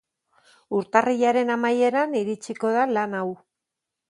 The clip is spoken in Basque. Urtarrilaren amaieran iritsiko da lan hau.